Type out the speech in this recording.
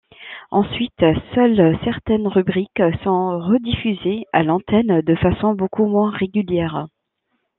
Ensuite, seules certaines rubriques sont rediffusées à l'antenne, de façon beaucoup moins régulière.